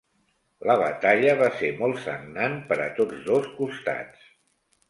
La batalla va ser molt sagnant per a tots dos costats.